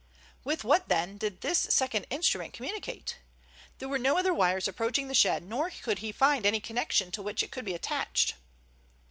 With what, then, did this second instrument communicate? There were no other wires approaching the shed, nor could he find any connection to which it could be attached.